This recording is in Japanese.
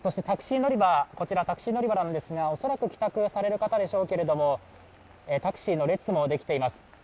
タクシー乗り場なんですが、恐らく帰宅をされる方でしょうけれども、タクシーの列もできています。